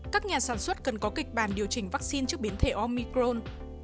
các nhà sản xuất cần có kịch bản điều chỉnh vaccine trước biến thể omicron